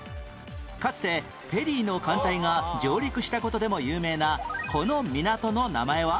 かつてペリーの艦隊が上陸した事でも有名なこの港の名前は？